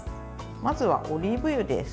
まずはオリーブ油です。